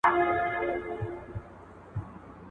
• د زوم خاوره د خسر له سره اخيسته کېږي.